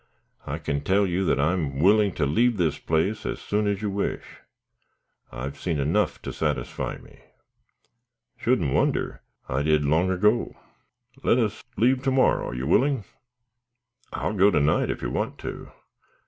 I can tell you, that I am willing to leave this place as soon as you wish; I've seen enough to satisfy me." "Shouldn't wonder; I did long ago." "Let us leave to morrow. Are you willing?" "I'll go to night if you want to."